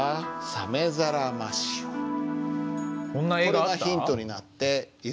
これがヒントになっているんですね。